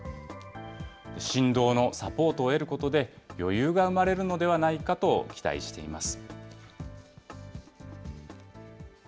振動のサポートを得ることで、余裕が生まれるのではないかと期待しています。